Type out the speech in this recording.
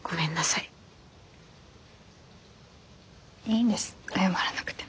いいんです謝らなくても。